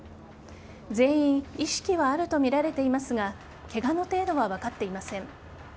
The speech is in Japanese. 全員意識はあるとみられていますがケガの程度は分かっていません。